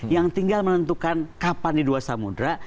yang tinggal menentukan kapan di dua samudera